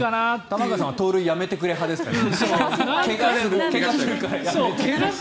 玉川さんは盗塁やめてくれ派ですから。